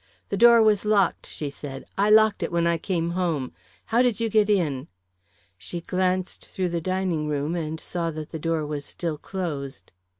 "The door was locked," she said. "I locked it when I came home. How did you get in?" She glanced through the dining room and saw that the door was still closed.